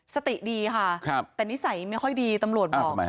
สติดีค่ะแต่นิสัยไม่ค่อยดีตำรวจบอก